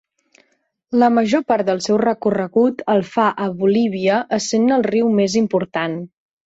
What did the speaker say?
La major part del seu recorregut el fa a Bolívia essent-ne el riu més important.